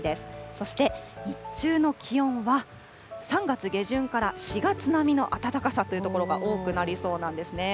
そして日中の気温は３月下旬から４月並みの暖かさという所が多くなりそうなんですね。